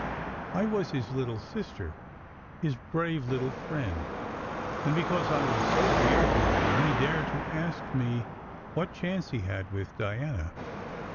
I was his little sister, his brave little friend, and because I was so dear to him, he dared to ask me what chance he had with Diana.